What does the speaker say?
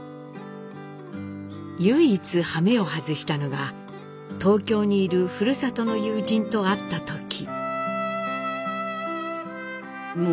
唯一はめを外したのが東京にいるふるさとの友人と会った時。